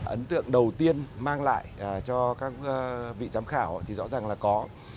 ấn tượng đầu tiên mang lại cho các vị giám khảo thì rõ ràng là có